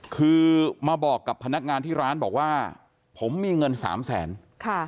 คือมาบอกกับพนักงานที่ร้านบอกว่าผมมีเงินสามแสนค่ะ